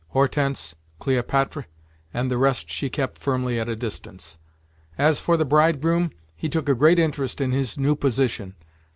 Hortense, Cléopatre, and the rest she kept firmly at a distance. As for the bridegroom, he took a great interest in his new position.